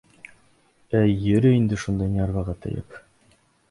Эй, йөрөй инде шунда нервыға тейеп.